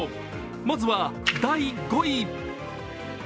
まずは第５位。